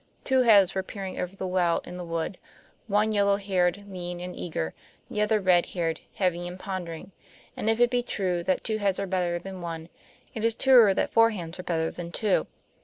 Two heads were peering over the well in the wood: one yellow haired, lean and eager; the other redhaired, heavy and pondering; and if it be true that two heads are better than one, it is truer that four hands are better than two.